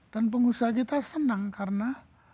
dan pengusaha kita senang karena